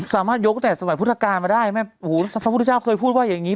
สามารถยกตั้งแต่สมัยพุทธกาลมาได้แม่โอ้โหพระพุทธเจ้าเคยพูดว่าอย่างนี้